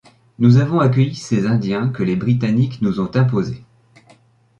Nous avons accueilli ces indiens que les Britanniques nous ont imposés.